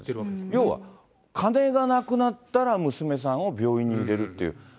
要は、金がなくなったら娘さんを病院に入れるっていう。